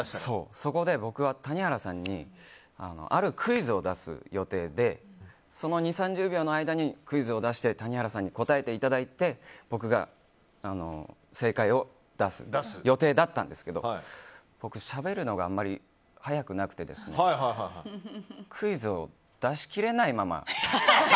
そこで僕、谷原さんにあるクイズを出す予定でその２０３０秒の間にクイズを出して谷原さんに答えていただいて僕が正解を出す予定だったんですけど僕、しゃべるのがあまり早くなくてクイズを出し切れないまま。